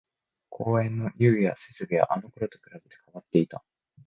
公園の遊具や設備はあのころと比べて変わっていた